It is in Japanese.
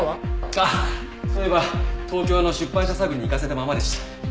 ああそういえば東京の出版社探りに行かせたままでした。